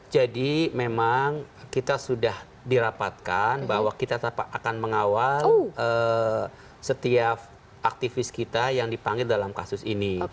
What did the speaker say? jadi memang kita sudah dirapatkan bahwa kita akan mengawal setiap aktivis kita yang dipanggil dalam kasus ini